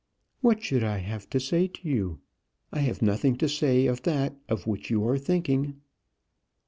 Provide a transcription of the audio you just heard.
"What should I have to say to you? I have nothing to say of that of which you are thinking."